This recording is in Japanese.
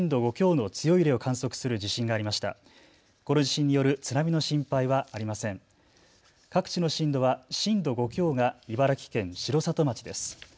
各地の震度は震度５強が茨城県城里町です。